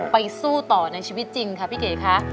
สู้ต่อในชีวิตจริงค่ะพี่เก๋ค่ะ